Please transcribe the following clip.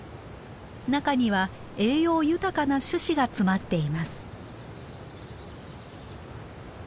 中には栄養豊かな種子が詰まっています。